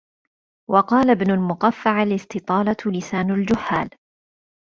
وَقَالَ ابْنُ الْمُقَفَّعِ الِاسْتِطَالَةُ لِسَانُ الْجُهَّالِ